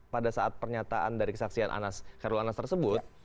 pada saat pernyataan dari kesaksian anas karul anas tersebut